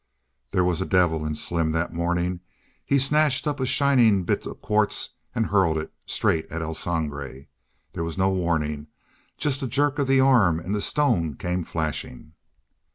There was a devil in Slim that morning. He snatched up a shining bit of quartz and hurled it straight at El Sangre! There was no warning just a jerk of the arm and the stone came flashing.